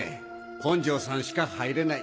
本城さんしか入れない。